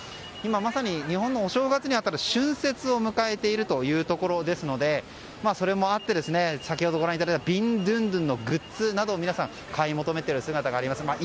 今まさに日本のお正月に当たる春節を迎えているところですのでそれもあって先ほどご覧いただいたビンドゥンドゥンのグッズなど、皆さん買い求めている姿があります。